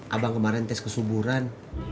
abang kemarin tes kesuburan